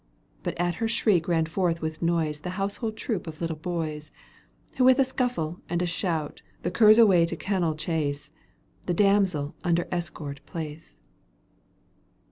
But at her shriek ran forth with noise The household troop of little boys. Who with a scuffle and a shout The curs away to kennel chase. The damsel under escort place.